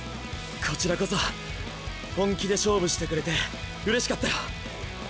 こちらこそ本気で勝負してくれてうれしかったよ。